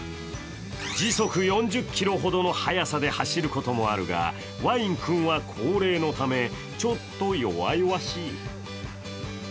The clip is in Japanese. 時速４０キロほどの速さで走ることもあるが、ワイン君は高齢のためちょっと弱々しい。